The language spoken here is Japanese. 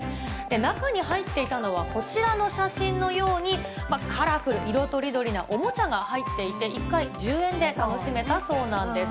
中に入っていたのはこちらの写真のように、カラフル、色とりどりなおもちゃが入っていて、１回１０円で楽しめたそうなんです。